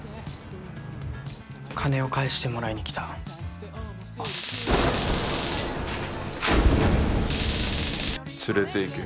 金を返してもらいに来た。連れていけ。